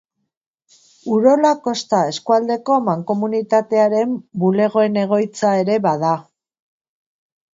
Urola Kosta eskualdeko mankomunitatearen bulegoen egoitza ere bada.